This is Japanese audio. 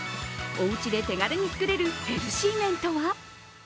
おうちで手軽に作れるヘルシー麺とは？